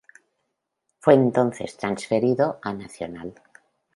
Fue entonces transferido a Nacional.